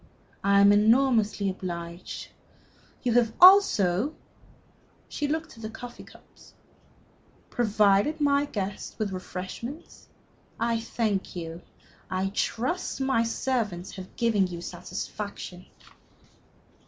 I am enormously obliged. You have also" she looked at the coffee cups "provided my guests with refreshment. I thank you. I trust my servants have given you satisfaction.